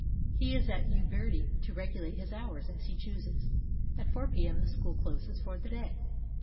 He is at Uberty to regulate his hours as he chooses. At 4 p.m., the school closes for the day.